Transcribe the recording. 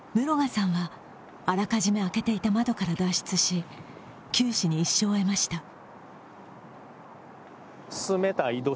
室賀さんはあらかじめ開けていた窓から脱出し、九死に一生を得ました。